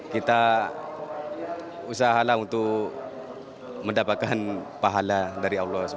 kita usahalah untuk mendapatkan pahala dari allah swt